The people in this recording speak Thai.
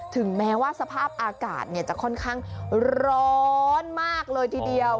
ถึงแม้ว่าสภาพอากาศจะค่อนข้างร้อนมากเลยทีเดียว